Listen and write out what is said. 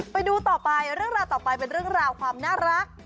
ไปดูต่อไปเรื่องราวต่อไปเป็นเรื่องราวความน่ารัก